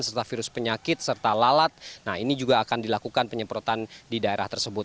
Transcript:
serta virus penyakit serta lalat nah ini juga akan dilakukan penyemprotan di daerah tersebut